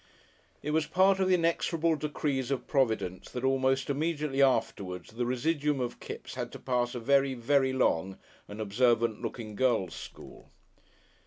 It was part of the inexorable decrees of Providence that almost immediately afterwards the residuum of Kipps had to pass a very, very long and observant looking girls' school.